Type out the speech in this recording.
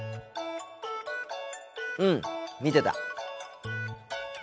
うん見てた。